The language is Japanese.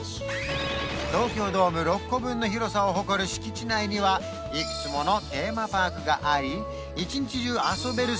東京ドーム６個分の広さを誇る敷地内にはいくつものテーマパークがあり一日中遊べる